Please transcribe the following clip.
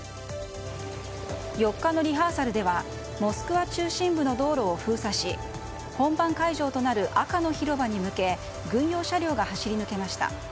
４日のリハーサルではモスクワ中心部の道路を封鎖し本番会場となる赤の広場へ向け軍用車両が走り抜けました。